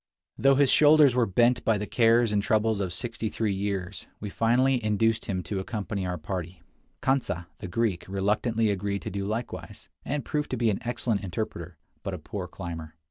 Though his shoulders were bent by the cares and troubles of sixty three years, we finally induced him to accompany our party. Kantsa, the Greek, reluctantly agreed to do likewise, and proved to be an excellent interpreter, but a poor climber.